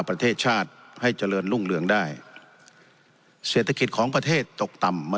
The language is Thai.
ประเทศชาติให้เจริญรุ่งเรืองได้เศรษฐกิจของประเทศตกต่ำมา